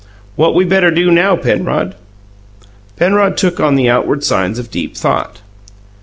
"What we better do now, Penrod?" Penrod took on the outward signs of deep thought.